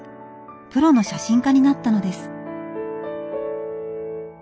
プロの写真家になったのです。